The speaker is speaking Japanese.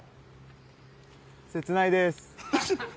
切ないです。